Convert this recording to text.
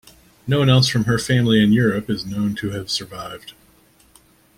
No one else from her family in Europe is known to have survived.